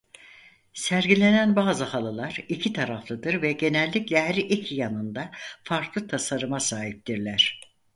Sergilenen bazı halılar iki taraflıdır ve genellikle her iki yanında farklı tasarıma sahiptirler.